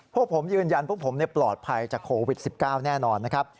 พวกผมยืนยันพวกผมปลอดภัยจากโควิด๑๙แน่นอนนะครับ